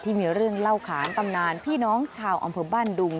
ที่มีเรื่องเล่าขานตำนานพี่น้องชาวอำเภอบ้านดุง